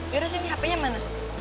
yaudah sini hpnya mana